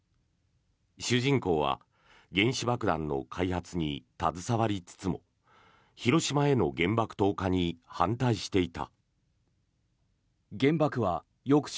主人公は原子爆弾の開発に携わりつつも広島への原爆投下に反対していた。